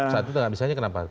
saat itu tidak bisa saja kenapa